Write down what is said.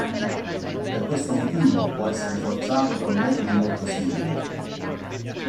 Per questo motivo può essere forzato con metodi molto simili.